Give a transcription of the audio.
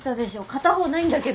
片方ないんだけど。